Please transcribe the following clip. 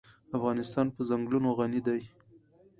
افغانستان په ځنګلونه غني دی.